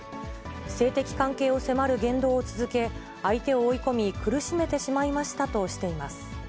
性的関係を迫る言動を続け、相手を追い込み苦しめてしまいましたとしています。